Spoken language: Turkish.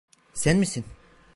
Sen misin?